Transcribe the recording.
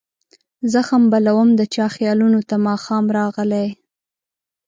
زخم بلوم د چا خیالونو ته ماښام راغلي